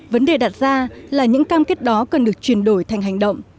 vấn đề đặt ra là những cam kết đó cần được chuyển đổi thành hành động